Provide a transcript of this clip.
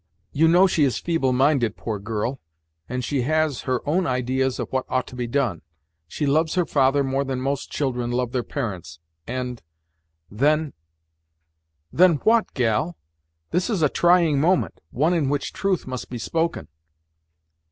"You know she is feeble minded, poor girl! and she has her own ideas of what ought to be done. She loves her father more than most children love their parents and then " "Then, what, gal? This is a trying moment; one in which truth must be spoken!"